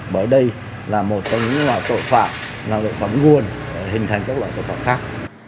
bởi đây là một trong những loại tội phạm là tội phạm nguồn hình thành các loại tội phạm khác